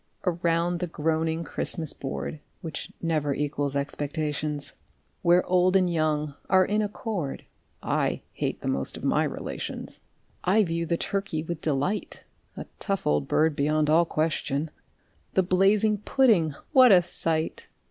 _) Around the groaning Christmas board, (Which never equals expectations,) Where old and young are in accord (I hate the most of my relations!) I view the turkey with delight, (A tough old bird beyond all question!) The blazing pudding what a sight!